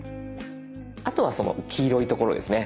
あとはその黄色いところですね。